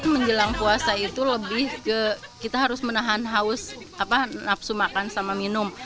menjelang puasa itu lebih ke kita harus menahan haus nafsu makan sama minum